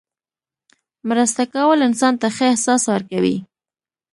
مرسته کول انسان ته ښه احساس ورکوي.